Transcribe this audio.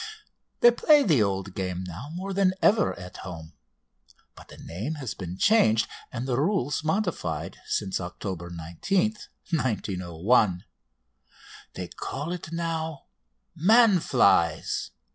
"They play the old game now more than ever at home, but the name has been changed and the rules modified since October 19, 1901. They call it now 'Man flies!'